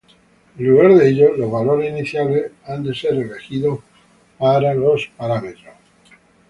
En lugar de ello, los valores iniciales deben ser elegidos para los parámetros.